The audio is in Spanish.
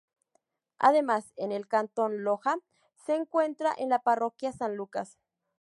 Además, en el Cantón Loja se encuentra en la parroquia San Lucas.